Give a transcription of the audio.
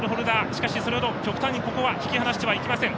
しかし、それほど極端に突き放してはいきません。